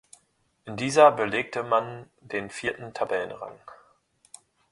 In dieser belegte man den vierten Tabellenrang.